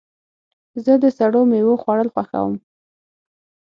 زه د سړو میوو خوړل خوښوم.